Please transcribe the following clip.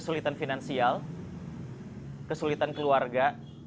kesulitan finansial kesulitan keluarga